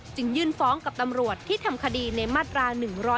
ยื่นฟ้องกับตำรวจที่ทำคดีในมาตรา๑๑๒